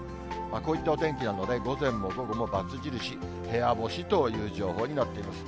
こういったお天気なので、午前も午後もバツ印、部屋干しという情報になっています。